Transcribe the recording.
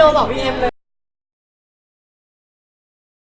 โอเคขอบคุณค่ะ